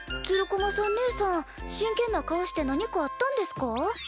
つる駒さん姉さん真けんな顔して何かあったんですか？